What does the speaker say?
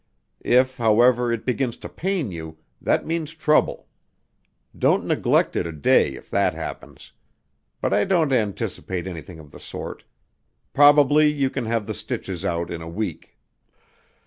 If, however, it begins to pain you, that means trouble. Don't neglect it a day if that happens. But I don't anticipate anything of the sort. Probably you can have the stitches out in a week."